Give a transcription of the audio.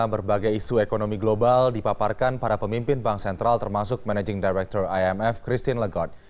berbagai isu ekonomi global dipaparkan para pemimpin bank sentral termasuk managing director imf christine legod